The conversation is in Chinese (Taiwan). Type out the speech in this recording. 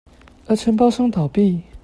而承包廠商倒閉